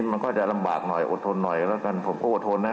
มันก็จะลำบากหน่อยอดทนหน่อยแล้วกันผมก็อดทนนะ